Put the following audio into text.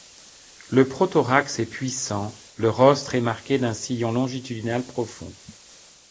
Le prothorax est puissant, le rostre est marqué d'un sillon longitudinal profond.